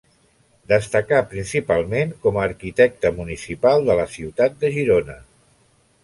Destacà principalment com a arquitecte municipal de la ciutat de Girona.